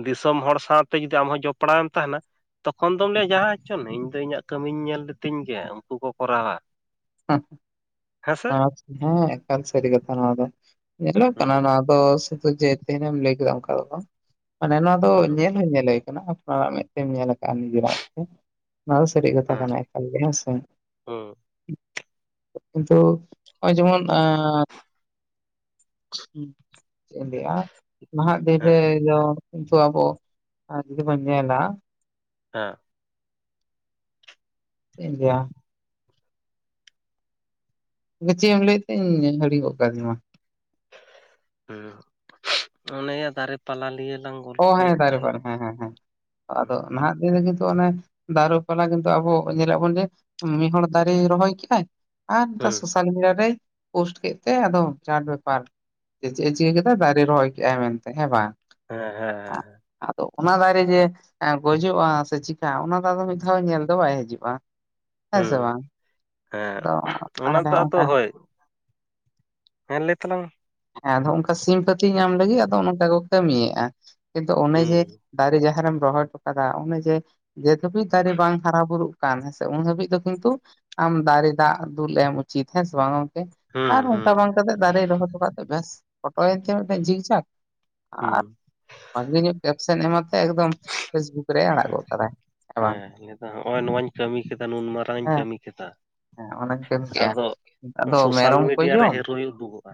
ᱫᱤᱥᱚᱢ ᱦᱚᱲ ᱥᱟᱣᱛᱮ ᱡᱩᱫᱤ ᱟᱢᱦᱚᱸ ᱡᱚᱯᱲᱟᱣᱮᱢ ᱛᱟᱦᱮᱱᱟ ᱛᱚᱠᱷᱚᱱ ᱫᱚᱢ ᱞᱟᱹᱭᱟ ᱡᱟᱦᱟᱸ ᱦᱚᱸᱪᱚᱱ ᱤᱧ ᱫᱚ ᱤᱧᱟᱜ ᱠᱟᱹᱢᱤᱧ ᱧᱮᱞ ᱞᱤᱛᱤᱧ ᱜᱮ ᱩᱱᱠᱩ ᱠᱚ ᱠᱚᱨᱟᱣᱟ ᱦᱮᱸᱥᱮ ᱦᱩᱸ [inaudible] ᱮᱠᱟᱞ ᱥᱟᱹᱨᱤ ᱠᱟᱛᱷᱟ ᱱᱚᱣᱟ ᱫᱚ ᱧᱮᱞᱚᱜ ᱠᱟᱱᱟ ᱦᱩᱸ ᱱᱚᱣᱟ [inaudible] ᱥᱩᱫᱷᱩ ᱡᱮ ᱛᱮᱦᱮᱧᱮᱢ ᱞᱟᱹᱭ ᱠᱮᱫᱟ ᱚᱱᱠᱟ ᱫᱚ ᱵᱟᱝ ᱢᱟᱱᱮ ᱱᱚᱣᱟ ᱫᱚ ᱦᱩᱸ ᱧᱮᱞ ᱦᱚᱸ ᱧᱮᱞᱮ [inaudible] ᱟᱯᱱᱟᱨᱟᱜ ᱢᱮᱫᱛᱮᱢ ᱧᱮᱞ ᱟᱠᱟᱜ-ᱟ ᱱᱤᱡᱮᱨᱟᱜ ᱛᱮ ᱱᱚᱣᱟ ᱫᱚ ᱥᱟᱹᱨᱤ ᱠᱟᱛᱷᱟ ᱦᱮᱸ ᱠᱟᱱᱟ ᱮᱠᱟᱞᱜᱮ ᱦᱮᱸ ᱥᱮ [inaudible] ᱠᱤᱱᱛᱩ ᱚᱭ ᱡᱮᱢᱚᱱ ᱮᱸ [unintelligible] ᱪᱮᱜ ᱮᱢ ᱞᱟᱹᱭᱮᱜ-ᱟ ᱱᱟᱦᱟᱜ ᱫᱤᱱ ᱨᱮ ᱦᱮᱸ [inaudible] ᱟᱵᱚ ᱟᱨ ᱡᱩᱫᱤ ᱵᱚᱱ ᱧᱮᱞᱟ ᱦᱮᱸ ᱪᱮᱜ ᱤᱧ ᱞᱟᱹᱭᱟ ᱛᱟᱦᱞᱮ ᱪᱮᱫ ᱮᱢ ᱞᱟᱹᱭᱮᱫ ᱛᱤᱧ ᱦᱤᱲᱤᱧ ᱜᱚᱜ ᱠᱟᱫᱤᱧᱢᱟ ᱦ ᱚᱱᱮ ᱫᱟᱨᱮ ᱯᱟᱞᱟᱞᱤᱭᱟᱹ ᱞᱟᱝ ᱚ ᱦᱮᱸ ᱜᱚᱞᱯᱷᱚᱭᱮᱫ ᱫᱟᱨᱮ ᱛᱟᱦᱮᱸᱫ ᱯᱟᱞᱟ ᱦᱮᱸ ᱦᱮᱸ ᱦᱮᱸ ᱟᱫᱚ ᱦᱩᱸ ᱱᱟᱦᱟᱜ ᱫᱤᱱ ᱫᱚ ᱠᱤᱱᱛᱩ ᱚᱱᱮ ᱫᱟᱨᱩ ᱯᱟᱞᱟ ᱠᱤᱱᱛᱩ ᱟᱵᱚ ᱧᱮᱞᱟ ᱵᱚᱱ ᱡᱮ ᱢᱤᱫ ᱦᱚᱲᱚᱲ ᱫᱟᱨᱮᱭ ᱨᱚᱦᱚᱭ ᱠᱮᱫᱟᱭ ᱟᱨ ᱱᱮᱛᱟᱨ ᱥᱳᱥᱟᱞ ᱢᱤᱰᱤᱭᱟ ᱨᱮᱭ ᱯᱳᱥᱴ ᱠᱮᱫ ᱛᱮ ᱟᱫᱚᱢ ᱪᱟᱴ ᱵᱮᱯᱟᱨ ᱪᱮᱫ ᱮ ᱪᱤᱠᱟᱹ ᱠᱮᱫᱟ ᱫᱟᱨᱮ ᱨᱚᱦᱚᱭ ᱠᱮᱫᱟᱭ ᱢᱮᱱᱛᱮ ᱦᱮᱸ ᱵᱟᱝ ᱦᱮ ᱦᱮ [inaudible] ᱟᱫᱚ ᱚᱱᱟ ᱫᱟᱨᱮ ᱨᱮ ᱡᱮ ᱜᱚᱡᱚᱜᱼᱟ ᱥᱮ ᱪᱤᱠᱟᱹᱜᱼᱟ ᱚᱱᱟ ᱫᱟᱜ ᱫᱚ ᱢᱤᱫ ᱫᱷᱟᱣ ᱧᱮᱞ ᱫᱚ ᱵᱟᱭ ᱦᱤᱡᱩᱜᱼᱟ ᱦᱮᱸ ᱥᱮ ᱦᱩᱸ ᱵᱟᱝ ᱦᱮᱸ ᱟᱫᱚ ᱚᱱᱟ ᱛᱟᱦᱚᱞᱮ ᱫᱚ ᱟᱫᱚ ᱚᱱᱠᱟ ᱦᱳᱭ ᱦᱮᱸ ᱞᱟᱹᱭ ᱛᱟᱞᱟᱝ ᱦᱮᱸ ᱟᱫᱚ ᱚᱱᱠᱟ ᱥᱤᱢᱯᱷᱟᱹᱛᱤ ᱧᱟᱢ ᱞᱟᱹᱜᱤᱫ ᱟᱫᱚ ᱚᱱᱠᱟ ᱠᱚ ᱠᱟᱹᱢᱤᱭᱮᱫᱼᱟ ᱠᱤᱱᱛᱩ ᱚᱱᱮ ᱡᱮ ᱦᱩᱸ ᱫᱟᱨᱮ ᱡᱟᱦᱟᱸᱨᱮᱢ ᱨᱚᱦᱚᱭ ᱦᱚᱴᱚ ᱠᱟᱫᱟ ᱚᱱᱮ ᱡᱮ ᱡᱮ ᱫᱷᱟᱹᱵᱤᱡ ᱫᱟᱨᱮ ᱵᱟᱝ ᱦᱟᱨᱟᱼ ᱵᱩᱨᱩᱜ ᱠᱟᱱ ᱦᱮᱸ ᱥᱮ ᱩᱱ ᱦᱟᱹᱵᱤᱡ ᱫᱚ ᱠᱤᱱᱛᱩ ᱟᱢ ᱫᱟᱨᱮ ᱫᱟᱜ ᱫᱩᱞ ᱮᱢ ᱩᱪᱤᱛ ᱦᱮᱸ ᱥᱮ ᱵᱟᱝ ᱜᱚᱝᱠᱮ ᱦᱩᱸ ᱟᱨ ᱚᱱᱠᱟ ᱦᱩᱸ ᱵᱟᱝ ᱠᱟᱛᱮᱜ ᱫᱟᱨᱮ ᱨᱚᱦᱚᱭ ᱦᱚᱴᱚᱠᱟᱜ ᱯᱷᱴᱳ ᱭᱮᱛᱮ ᱡᱤᱣ ᱪᱟᱠ ᱦᱩᱸ ᱵᱷᱟᱹᱜᱤ ᱧᱚᱜ ᱠᱮᱯᱥᱮᱱ ᱮᱢᱛᱮ ᱮᱠᱫᱚᱢ ᱯᱷᱮᱥᱵᱩᱠ ᱨᱮᱭ ᱟᱲᱟᱜ ᱜᱚᱫ ᱠᱟᱫᱟᱭ ᱮ ᱵᱟᱝ ᱱᱚᱜ ᱚᱭ ᱱᱚᱣᱟᱧ ᱠᱟᱹᱢᱤ ᱠᱮᱫᱟ ᱱᱩᱱ ᱢᱟᱨᱟᱝ ᱤᱧ ᱦᱮᱸ ᱠᱟᱹᱢᱤ ᱠᱮᱫᱟ ᱦᱮᱸ ᱚᱱᱟᱧ ᱠᱟᱹᱢᱤ ᱠᱮᱫᱮᱜᱼᱟ ᱟᱫᱚ ᱟᱫᱚ ᱥᱳᱥᱟᱞ ᱢᱮᱨᱚᱢ ᱠᱚ ᱢᱤᱰᱤᱭᱟ ᱨᱮ ᱡᱚᱢ ᱦᱤᱨᱳᱭ ᱩᱫᱩᱜᱚᱜᱼᱟ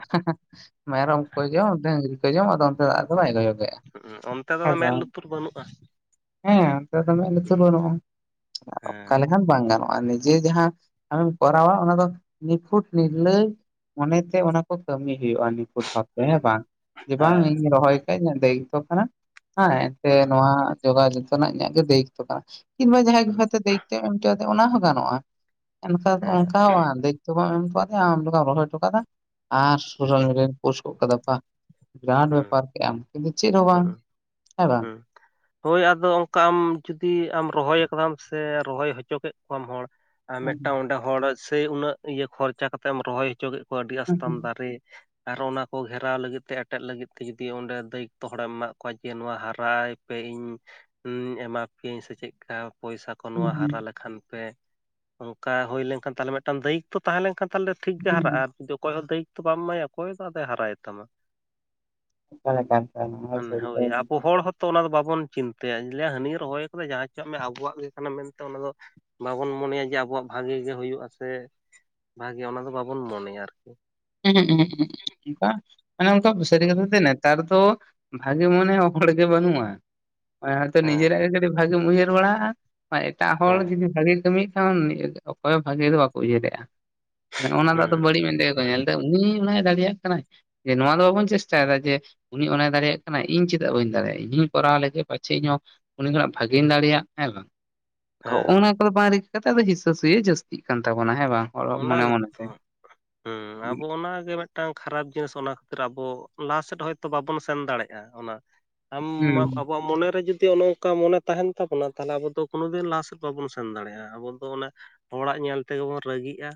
ᱢᱟᱭᱨᱚᱢᱠᱚ ᱡᱚᱢ ᱰᱟᱺᱨᱤ ᱠᱚ ᱡᱚᱢ ᱚᱱᱛᱮ ᱫᱚ ᱟᱫᱚ ᱵᱟᱝ ᱠᱚᱭᱚᱜᱮᱫ ᱦᱩ ᱚᱱᱛᱮ ᱫᱚ ᱢᱮᱫ ᱞᱩᱛᱩᱨ ᱵᱟᱹᱱᱩᱜᱼᱟ ᱦᱮᱸ ᱚᱱᱛᱮ ᱫᱚ ᱢᱮᱫ ᱞᱩᱛᱩᱨ ᱦᱮᱸ ᱵᱟᱹᱱᱩᱜᱼᱟ ᱚᱱᱠᱟ ᱦᱩᱸ ᱞᱮᱠᱷᱟᱱ ᱵᱟᱝ ᱜᱟᱱᱚᱜᱼᱟ ᱱᱤᱡᱮ ᱡᱟᱦᱟᱸ ᱟᱢᱮᱢ ᱠᱚᱨᱟᱣᱟ ᱚᱱᱟ ᱫᱚ ᱱᱤᱯᱷᱩᱴ ᱱᱤᱨᱤᱞᱟᱹᱭ ᱢᱚᱱᱮᱛᱮ ᱚᱱᱟ ᱠᱚ ᱠᱟᱹᱢᱤ ᱦᱩᱭᱩᱜᱼᱟ ᱱᱩᱠᱩ ᱴᱷᱟᱣ ᱦᱮᱸ ᱦᱩᱸ ᱵᱟᱝ ᱡᱮ ᱵᱟᱝ ᱦᱮᱸ ᱤᱧ ᱨᱚᱦᱚᱭ ᱠᱷᱟ ᱤᱧᱟᱹᱜ ᱫᱟᱭᱤᱛᱚ ᱠᱟᱱᱟ ᱦᱮᱸ ᱮᱱ ᱥᱮ ᱱᱚᱣᱟ ᱡᱚᱜᱟᱣ ᱡᱚᱛᱚᱱᱟᱜ ᱤᱧᱟᱹᱜ ᱜᱮ ᱫᱟᱹᱭᱤᱛᱚ ᱠᱟᱱᱟ ᱠᱤᱵᱟ ᱡᱟᱦᱟᱸᱭ ᱦᱚᱭ ᱫᱟᱭᱤᱛ ᱮᱢ ᱦᱚᱫᱮ ᱚᱱᱟ ᱦᱚᱸ ᱜᱟᱱᱚᱜᱼᱟ ᱚᱱᱠᱟ ᱦᱮᱸ ᱚᱱᱠᱟ ᱦᱚᱸ ᱵᱟᱝ ᱫᱟᱹᱭᱤᱛᱚ ᱵᱟᱝ ᱮᱢ ᱟᱠᱟᱫᱤᱧᱟᱢ ᱟᱢ ᱞᱮᱠᱟ ᱨᱚᱦᱚᱭ ᱚᱪᱚᱭ ᱢᱮ ᱟᱨ ᱥᱳᱥᱟᱞ ᱢᱤᱰᱤᱭᱟᱧ ᱯᱳᱴᱥ ᱜᱚᱫ ᱠᱟᱫᱟ ᱵᱟᱝ ᱵᱤᱨᱟᱴ ᱦᱩᱸ ᱵᱮᱯᱟᱨ ᱠᱮᱫ ᱟᱢ ᱪᱮᱫ ᱦᱚ ᱸᱵᱟᱝ [unintelligible] [inaudible] ᱦᱚᱭ ᱟᱫᱚ ᱚᱱᱠᱟ ᱟᱢ ᱡᱩᱫᱤ ᱟᱢ ᱨᱚᱦᱚᱭ ᱠᱟᱫᱟᱢ ᱥᱮ ᱨᱚᱦᱚᱭ ᱦᱚᱪᱚ ᱠᱮᱫ ᱠᱚᱣᱟᱢ ᱦᱚᱲ ᱟᱨ ᱦᱩᱸ ᱢᱤᱫᱴᱟᱝ ᱚᱸᱰᱮ ᱦᱚᱲ ᱥᱮ ᱩᱱᱟᱹᱜ ᱤᱭᱟᱹ ᱠᱷᱚᱨᱪᱟ ᱠᱟᱛᱮ ᱮᱢ ᱨᱚᱦᱚᱭ ᱦᱚᱪᱚ ᱠᱮᱫ ᱠᱚᱣᱟ ᱟᱹᱰᱤ ᱦᱩᱸ ᱟᱥᱛᱢ ᱦᱩᱸ ᱫᱟᱨᱮ ᱟᱨ ᱚᱱᱟ ᱠᱚ ᱜᱷᱮᱨᱟᱣ ᱞᱟᱹᱜᱤᱫ ᱛᱮ ᱮᱴᱮᱫ ᱞᱟᱹᱜᱤᱫ ᱛᱮ ᱡᱩᱫᱤ ᱚᱸᱰᱮ ᱫᱟᱹᱭᱤᱛᱚ ᱦᱚᱲᱮᱢ ᱮᱟᱜ ᱠᱚᱣᱟ ᱡᱮ ᱱᱚᱣᱟ ᱦᱚ [unintelligible] ᱯᱮ ᱤᱧ ᱮᱢᱟ ᱯᱮᱭᱟᱧ ᱥᱮ ᱪᱮᱫᱠᱟ ᱯᱚᱭᱥᱟ ᱠᱚ ᱱᱚᱣᱟ ᱦᱩᱸ ᱦᱟᱨᱟ ᱦᱩᱸ ᱞᱮᱠᱷᱟᱱ ᱯᱮ ᱚᱱᱠᱟ ᱦᱩᱭ ᱞᱮᱱᱠᱷᱟᱱ ᱛᱟᱦᱚᱞᱮ ᱢᱤᱫᱴᱟᱝ ᱫᱟᱹᱭᱤᱛ ᱛᱚ ᱛᱟᱦᱮᱸ ᱞᱮᱱᱠᱷᱟᱱ ᱛᱟᱦᱚᱞᱮ ᱴᱷᱤᱠ ᱦᱩᱸ ᱜᱮ ᱦᱟᱨᱟᱜᱼᱟ ᱦᱩᱸ ᱡᱩᱫᱤ ᱚᱠᱚᱭ ᱦᱚᱸ ᱫᱟᱹᱭᱤᱛ ᱟᱫᱚ ᱵᱟᱢ ᱢᱟᱭᱟ ᱚᱠᱚᱭ ᱥᱟᱶᱛᱮ ᱦᱟᱨᱟᱭᱮᱱ ᱛᱟᱢᱟ᱾ ᱢᱟᱱᱮ ᱦᱳᱭ ᱟᱵᱚ [unintelligible] ᱦᱚᱲ ᱦᱚᱛᱚ ᱚᱱᱟ ᱫᱚ ᱵᱟᱵᱚᱱ ᱪᱤᱱᱛᱟᱹᱭᱟ ᱤᱧ ᱞᱟᱹᱭᱟ ᱦᱟᱹᱱᱤᱭ ᱨᱚᱦᱚᱭ ᱠᱟᱫᱟ ᱡᱟᱦᱟᱸ ᱪᱚᱣᱟᱜ ᱢᱮ ᱟᱵᱚᱣᱟᱜ ᱜᱮ ᱠᱟᱱᱟ ᱢᱮᱱᱛᱮ ᱚᱱᱟ ᱫᱚ ᱵᱟᱵᱚᱱ ᱢᱚᱱᱮᱭᱟ ᱡᱮ ᱟᱵᱚᱣᱟᱜ ᱵᱷᱟᱜᱤ ᱜᱮ ᱦᱩᱭᱩᱜᱼᱟ, ᱥᱮ ᱵᱷᱟᱜᱮ ᱚᱱᱟ ᱫᱚ ᱵᱟᱵᱚᱱ ᱢᱚᱱᱮᱭᱟ ᱟᱨᱠᱤ᱾ ᱩᱦᱩᱸᱜ ᱩᱦᱩᱸᱜ ᱵᱟᱝ ᱚᱱᱮ ᱚᱝᱠᱟ ᱥᱟᱹᱨᱤ ᱦᱮᱸ ᱠᱟᱛᱷᱟ ᱛᱮ ᱱᱮ ᱮᱛᱟᱨ ᱫᱚ ᱵᱷᱟᱜᱮ ᱢᱚᱱᱮ ᱦᱚᱲ ᱜᱮ ᱵᱟᱹᱱᱩᱜᱼᱟ ᱦᱚᱭᱛᱚ ᱦᱮᱸ ᱱᱤᱡᱮᱨᱟᱜᱮ ᱵᱷᱟᱜᱤᱢ ᱩᱭᱦᱟᱹᱨ ᱵᱟᱲᱟᱜᱼᱟ ᱮᱴᱟᱜ ᱦᱚᱲ ᱦᱮᱸ ᱡᱩᱫᱤ ᱵᱷᱟᱜᱤ ᱠᱟᱹᱢᱤ ᱠᱷᱟᱱ ᱚᱠᱚᱭ ᱦᱚᱸ ᱵᱷᱟᱜᱤ ᱫᱚ ᱵᱟᱠᱚ ᱩᱭᱦᱟᱹᱨᱮᱜᱼᱟ ᱢᱟᱱᱮ ᱚᱱᱟ ᱫᱚ ᱟᱫᱚ ᱦᱩᱸ ᱵᱟᱹᱲᱤᱡ ᱢᱮᱱᱛᱮ ᱜᱮᱠᱚ ᱧᱮᱞ ᱛᱮ ᱩᱱᱤ ᱚᱱᱟᱭ ᱫᱟᱲᱮᱭᱟᱜ ᱠᱟᱱᱟᱭ ᱡᱮ ᱱᱚᱣᱟ ᱫᱚ ᱵᱟᱵᱚᱱ ᱪᱮᱥᱴᱟᱭᱫᱟ ᱡᱮ ᱩᱱᱤ ᱚᱱᱟᱭ ᱫᱟᱲᱮᱭᱟᱜ ᱠᱟᱱᱟᱭ ᱤᱧ ᱪᱮᱫᱟᱜ ᱵᱟᱹᱧ ᱫᱟᱲᱮᱭᱟᱜᱼᱟ ᱤᱧ ᱦᱚᱸᱧ ᱠᱚᱨᱟᱣ ᱞᱮᱜᱮ ᱯᱟᱪᱷᱮ ᱤᱧ ᱦᱚᱸ ᱩᱱᱤ ᱠᱷᱚᱱᱟᱜ ᱵᱷᱟᱜᱤᱧ ᱫᱟᱲᱮᱭᱟᱜ ᱦᱮᱸ ᱵᱟᱝ? ᱦᱚᱜᱼᱚ ᱦᱮᱸ ᱚᱱᱟ ᱠᱚᱫᱚ ᱵᱟᱝ ᱨᱤᱠᱟᱹ ᱠᱟᱛᱮ ᱟᱫᱚ ᱦᱤᱥᱟᱹ ᱥᱩᱭᱟᱹ ᱡᱟᱹᱥᱛᱤᱜ ᱠᱟᱱ ᱛᱟᱵᱚᱱᱟ ᱦᱮᱸ ᱵᱟᱝ? ᱦᱚᱲ ᱦᱚᱸ ᱢᱚᱱᱮ ᱢᱚᱱᱮᱛᱮ ᱦᱩᱸ ᱟᱵᱚ ᱚᱱᱟᱜᱮ ᱢᱮᱜ ᱴᱟᱝ ᱠᱷᱟᱨᱟᱯ ᱡᱤᱱᱤᱥ ᱚᱱᱟ ᱠᱷᱟᱹᱛᱤᱨ ᱟᱵᱚ ᱞᱟᱦᱟ ᱥᱮᱫ ᱦᱚᱭ ᱛᱳ ᱵᱟᱵᱚᱱ ᱥᱮᱱ ᱫᱟᱲᱮᱜᱼᱟ᱾ ᱚᱱᱟ ᱟᱢᱢᱟ ᱟᱵᱚᱣᱟᱜ ᱢᱚᱱᱮ ᱨᱮ ᱡᱩᱫᱤ ᱱᱚᱝ ᱠᱟ ᱢᱚᱱᱮ ᱛᱟᱦᱮᱸᱱ ᱛᱟᱵᱚᱱᱟ ᱛᱟᱞᱦᱮᱮ ᱟᱵᱚ ᱫᱚ ᱠᱳᱱᱳ ᱫᱤᱱ ᱞᱟᱦᱟ ᱥᱮᱫ ᱵᱟᱵᱚᱱ ᱥᱮᱱ ᱫᱟᱲᱮᱜᱼᱟ ᱟᱵᱚᱫ ᱫᱚ ᱚᱱᱟ ᱦᱚᱲᱟᱜ ᱧᱮᱞ ᱛᱮᱜᱮ ᱵᱚᱱ ᱨᱟᱹᱜᱤᱜᱼᱟ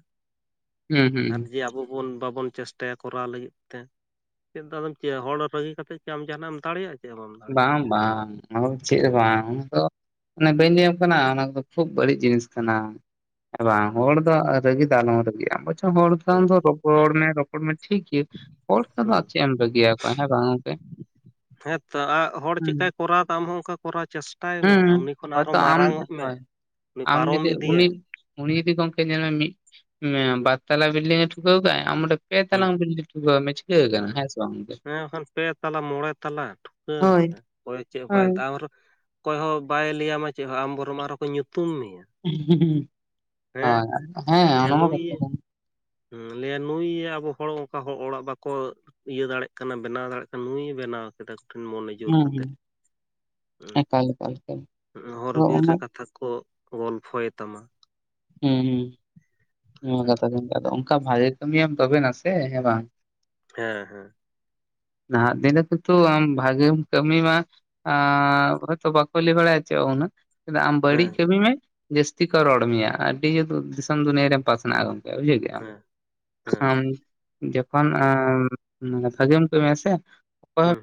ᱦᱩᱸ ᱦᱩᱸ ᱦᱩᱸ ᱟᱨ ᱡᱮ ᱟᱵᱚ ᱵᱚᱱ ᱵᱟᱵᱚᱱ ᱪᱮᱥᱴᱟᱭᱟ ᱠᱚᱨᱟᱣ ᱞᱟᱹᱜᱤᱫ ᱛᱮ᱾ ᱪᱮᱫ ᱫᱚᱢ ᱪᱟᱹᱭᱟ ᱦᱚᱲ ᱨᱟᱹᱜᱤ ᱠᱟᱛᱮᱜ ᱠᱤ ᱟᱢ ᱡᱟᱦᱟᱸᱱᱟᱜ ᱮᱢ ᱫᱟᱲᱮᱭᱟᱜᱼᱟ? ᱪᱮᱫ ᱦᱚᱸ ᱵᱟᱢ ᱫᱟᱲᱮᱭᱟᱜᱼᱟ ᱵᱟᱝ ᱵᱟᱝ ᱚᱱᱟ ᱠᱚᱫᱚ ᱪᱮᱫ ᱦᱚᱸ ᱵᱟᱝ ᱚᱱᱟ ᱫᱚ ᱚᱱᱮ ᱵᱟᱹᱧ ᱞᱟᱹᱭᱟᱢ ᱠᱟᱱᱟ ᱚᱱᱟ ᱠᱚᱫᱚ ᱠᱷᱩᱵ ᱵᱟᱹᱲᱤᱡ ᱡᱤᱱᱤᱥ ᱠᱟᱱᱟ᱾ ᱦᱮᱸ ᱵᱟᱝ ᱦᱚᱲ ᱫᱚ ᱨᱟᱹᱜᱤ ᱫᱚ ᱟᱞᱚᱢ ᱨᱟᱹᱜᱤᱜᱼᱟ [unintelligible] ᱟᱪᱪᱷᱟ ᱦᱚᱲ ᱥᱟᱝ ᱦᱮᱸ ᱫᱚ ᱨᱚᱯᱚᱲ ᱢᱮ ᱨᱚᱯᱚᱲ ᱢᱮ ᱴᱷᱤᱠ ᱜᱮᱭᱟ᱾ ᱦᱚᱲ ᱠᱚᱫᱚ ᱟ ᱦᱮᱸ ᱪᱮᱜ ᱮᱢ ᱨᱟᱹᱜᱤᱭᱟ ᱠᱚᱣᱟ ᱦᱮᱸ ᱵᱟᱝ ᱜᱚᱝᱠᱮ? ᱦᱮᱸᱛᱚ ᱟ ᱦᱚᱲ ᱦᱩᱸ ᱪᱮᱜᱠᱟᱭ ᱠᱚᱨᱟᱣ ᱫᱟ ᱟᱢ ᱦᱚᱸ ᱚᱝᱠᱟ ᱠᱚᱨᱟᱣ ᱪᱮᱥᱴᱟᱭ ᱢᱮ᱾ ᱦᱩᱸ ᱩᱱᱤ ᱠᱷᱚᱱ ᱟᱨ ᱦᱚᱭᱛᱚ ᱦᱚᱸ ᱟᱢ ᱢᱟᱨᱟᱝᱚᱜ ᱢᱮ᱾ ᱦᱳᱭ ᱩᱱᱤ ᱟᱢ ᱯᱟᱨᱚᱢ ᱡᱩᱫᱤ ᱩᱱᱤ ᱤᱫᱤᱭᱮᱢ᱾ ᱩᱱᱤ ᱡᱩᱫᱤ ᱜᱚᱝᱠᱮ ᱧᱮᱞ ᱢᱮ ᱢᱤᱜ ᱢᱮ ᱵᱟᱨᱛᱟᱞᱟ ᱵᱤᱞᱰᱤᱝ ᱮ ᱴᱷᱩᱠᱟ. ᱣ ᱠᱟᱜ-ᱟᱭ ᱟᱢ ᱚᱸᱰᱮ ᱦᱩᱸ ᱯᱛᱞᱟᱝ [inaudible] ᱢᱮᱪ ᱜᱮ ᱠᱟᱱᱟ ᱦᱩᱸ ᱦᱮᱸ ᱦᱸ ᱥᱮ ᱵᱟᱝ? ᱵᱟᱠᱷᱟᱱ ᱯᱮ ᱛᱟᱞᱟ ᱢᱚᱬᱮ ᱛᱟᱞᱟ ᱦᱟᱸ ᱦᱳᱭ ᱥᱮ ᱦᱚᱭ ᱪᱮ ᱦᱳᱭ ᱵᱟᱝ ᱛᱟᱣᱨᱮ᱾ ᱚᱠᱚᱭ ᱦᱚᱸ ᱵᱟᱭ ᱞᱟᱹᱭᱟ ᱢᱟ ᱪᱮᱫ ᱦᱚᱸ ᱟᱢ ᱵᱚᱨᱚᱢ ᱟᱨᱦᱚᱸ ᱠᱚ ᱧᱩᱛᱩᱢ ᱢᱮᱭᱟ᱾ ᱦᱮᱸ ᱦᱳᱭ ᱦᱮᱸ ᱚᱱᱟᱢᱟ ᱠᱟᱛᱷᱟ ᱠᱟᱱᱟ᱾ ᱦᱩᱸ ᱞᱟᱹᱭ ᱟ ᱱᱩᱭ ᱟᱵᱚ ᱦᱚᱲ ᱚᱱᱠᱟ ᱚᱲᱟᱜ ᱵᱟᱠᱚ᱾ ᱤᱭᱟᱹ ᱫᱟᱲᱮᱭᱟᱜ ᱠᱟᱱᱟ ᱵᱮᱱᱟᱣ ᱫᱟᱲᱮᱭᱟᱜ ᱠᱟᱱᱟ ᱱᱩᱭ ᱮ ᱵᱮᱱᱟᱣ᱾ ᱠᱟᱫᱟ ᱠᱤᱢᱤᱱ ᱢᱚᱱᱮ ᱡᱳᱨ ᱦᱩᱸ ᱠᱟᱛᱮ ᱦᱩᱸ ᱮᱠᱟᱞ ᱮᱠᱟᱞ ᱮᱠᱟᱞ ᱦᱩᱸ ᱦᱚᱨ ᱟᱫᱚ ᱵᱤᱨ ᱚᱱᱟ ᱨᱮ ᱠᱟᱛᱷᱟ ᱠᱚ ᱜᱚᱞᱯᱷᱚᱭ ᱛᱟᱢᱟ᱾ ᱦᱩᱸ ᱠᱟᱛᱷᱟ ᱠᱟᱱ ᱜᱮ ᱟᱫᱚ ᱚᱱᱠᱟ ᱵᱷᱟᱜᱮ ᱠᱟᱹᱢᱤᱭᱟᱢ ᱛᱚᱵᱮᱱᱟᱥᱮ ᱦᱮᱸ ᱵᱟᱝ᱾ ᱦᱮᱸ ᱦᱮᱸ᱾ ᱱᱟᱦᱟᱜ ᱫᱤᱱ ᱨᱮ ᱜᱮᱛᱩ ᱟᱢ ᱵᱷᱟᱜᱤᱢ ᱠᱟᱹᱢᱤ ᱢᱟ ᱟᱻ ᱦᱚᱭ ᱛᱚ ᱵᱟᱠᱚ ᱞᱟᱹᱭ ᱵᱟᱲᱟᱭᱟ ᱪᱮᱫ ᱦᱚᱸ ᱩᱱᱟᱹᱜ᱾ ᱟᱢ ᱵᱟᱹᱲᱤᱡ ᱦᱮᱸ ᱠᱟᱹᱢᱤ ᱢᱮ ᱡᱟᱹᱥᱛᱤ ᱠᱚ ᱨᱚᱲ ᱢᱮᱭᱟ᱾ ᱟᱹᱰᱤ ᱡᱮ ᱫᱤᱥᱚᱢ ᱫᱩᱱᱤᱭᱟᱹ ᱨᱮᱢ ᱯᱟᱥᱱᱟᱜ-ᱟ ᱜᱚᱢᱠᱮ ᱵᱩᱡᱷᱩᱣ ᱠᱮᱜᱟᱢ ᱦᱮᱸ ᱦᱮᱸ ᱾ ᱡᱚᱠᱷᱚᱱ ᱟᱢᱻ ᱱᱚᱝᱠᱟ ᱜᱮᱢ ᱠᱟᱹᱢᱤᱭᱟ ᱥᱮ [inaudible] ᱾ ᱦᱩᱸ